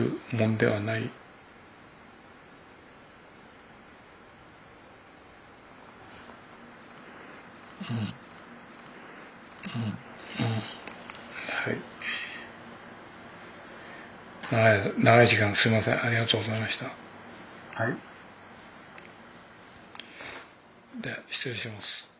では失礼します。